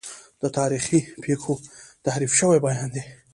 د تاریخي پیښو تحریف شوی بیان دی.